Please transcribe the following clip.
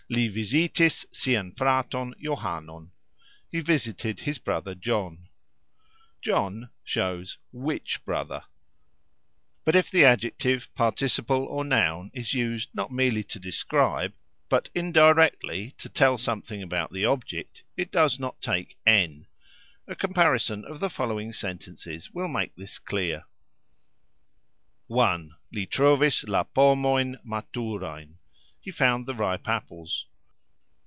"Li vizitis sian fraton Johanon", He visited his brother John. ("John" shows "which" brother). But if the adjective, participle, or noun is used not merely to describe, but indirectly to tell something about the object, it does not take "n". A comparison of the following sentences will make this clear: 1. Li trovis la pomojn maturajn. He found the ripe apples.